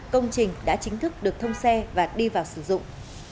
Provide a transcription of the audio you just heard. công trình đã chính thức được thông xe và đi vào sử dụng